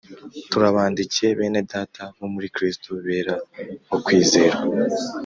turabandikiye bene Data bo muri Kristo bera bo kwizerwa